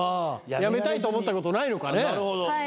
やめたいと思ったことないのかね？